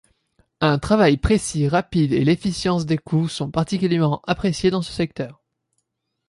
Un travail précis, rapide et l'efficience des coûts sont particulièrement appréciés dans ce secteur.